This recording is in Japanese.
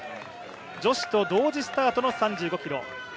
女子と同時スタートの３５ｋｍ。